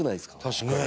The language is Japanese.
確かに。